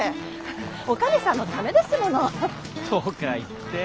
お兼さんのためですもの。とか言ってえっ？